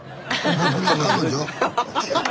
彼女？